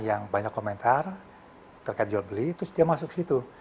yang banyak komentar terkait jual beli terus dia masuk situ